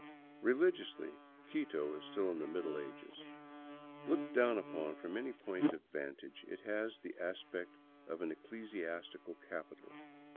Religiously, Quito is still in the Middle Ages. Looked down upon from any point of vantage, it has the aspect of an ecclesiastical capital.